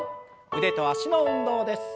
腕と脚の運動です。